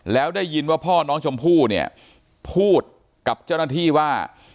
แล้วได้ยินว่าพ่อน้องชมพู่เนี่ยพูดกับเจ้าหน้าที่ว่า